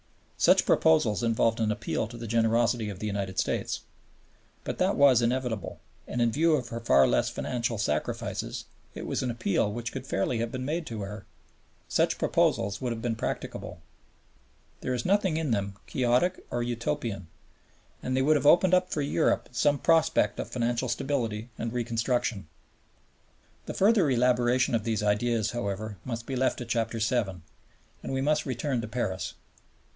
Such proposals involved an appeal to the generosity of the United States. But that was inevitable; and, in view of her far less financial sacrifices, it was an appeal which could fairly have been made to her. Such proposals would have been practicable. There is nothing in them quixotic or Utopian. And they would have opened up for Europe some prospect of financial stability and reconstruction. The further elaboration of these ideas, however, must be left to Chapter VII., and we must return to Paris.